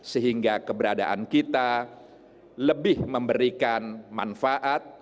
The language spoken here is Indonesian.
sehingga keberadaan kita lebih memberikan manfaat